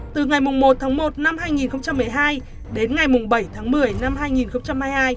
từ ngày một tháng một năm hai nghìn một mươi hai đến ngày bảy tháng một mươi năm hai nghìn hai mươi hai